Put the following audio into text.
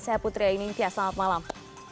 saya putri aini fiat selamat malam